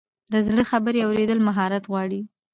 د زړه خبرې اورېدل مهارت غواړي.